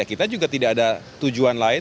kita juga tidak ada tujuan lain